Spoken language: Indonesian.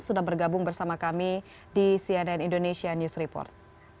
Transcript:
sudah bergabung bersama kami di cnn indonesia news report